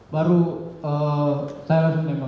baru saya langsung tembak